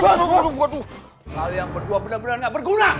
kalian berdua bener bener gak berguna